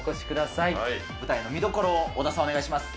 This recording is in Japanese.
舞台の見どころを小田さんお願いします。